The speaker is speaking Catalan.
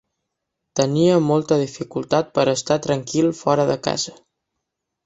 Tenia molta dificultat per estar tranquil fora de casa.